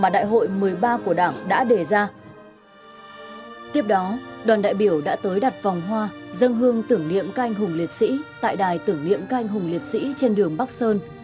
trước đó đoàn đại biểu đã tới đặt vòng hoa dân hương tưởng niệm các anh hùng liệt sĩ tại đài tưởng niệm các anh hùng liệt sĩ trên đường bắc sơn